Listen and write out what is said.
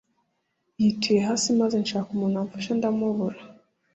yituye hasi maze nshaka umuntu wamfasha ndamubura